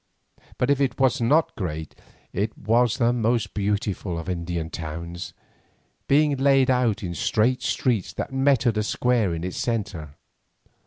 But if it was not great, it was the most beautiful of Indian towns, being laid out in straight streets that met at the square in its centre.